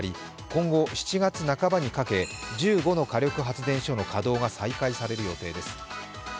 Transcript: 今後７月半ばにかけ１５の火力発電所の稼働が再開される予定です。